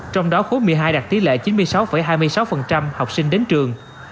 trong đó khối một mươi hai đạt tỷ lệ chín mươi sáu hai mươi sáu học sinh đến trường